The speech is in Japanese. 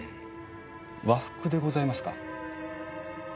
和服でございますか？